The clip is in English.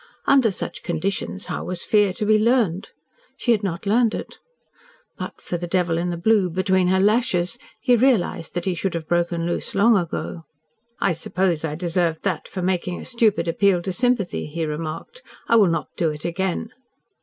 Under such conditions, how was fear to be learned? She had not learned it. But for the devil in the blue between her lashes, he realised that he should have broken loose long ago. "I suppose I deserved that for making a stupid appeal to sympathy," he remarked. "I will not do it again."